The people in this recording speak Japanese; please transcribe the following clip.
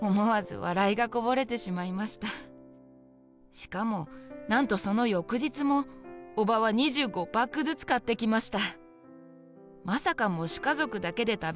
「しかも、なんとその翌日も叔母は２５パックずつ買ってきました！！」。